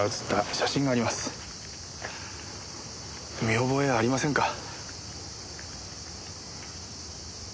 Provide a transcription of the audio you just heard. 見覚えありませんか？